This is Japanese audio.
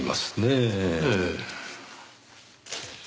ええ。